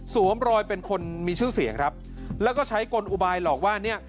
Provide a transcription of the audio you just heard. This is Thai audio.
มรอยเป็นคนมีชื่อเสียงครับแล้วก็ใช้กลอุบายหลอกว่าเนี่ย